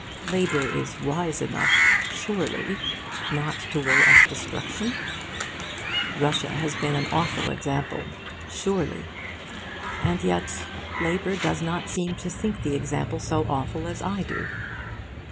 Labour is wise enough surely? not to will us destruction. Russia has been an awful example. Surely! And yet, Labour does not seem to think the example so awful as I do.